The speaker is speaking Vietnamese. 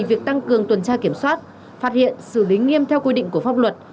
việc tăng cường tuần tra kiểm soát phát hiện xử lý nghiêm theo quy định của pháp luật